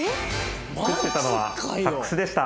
作っていたのはサックスでした。